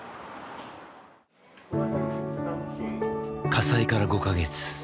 火災から５カ月。